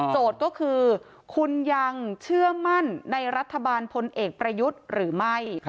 ก็คือคุณยังเชื่อมั่นในรัฐบาลพลเอกประยุทธ์หรือไม่